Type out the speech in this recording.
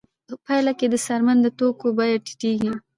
په پایله کې د څرمن د توکو بیه ټیټېږي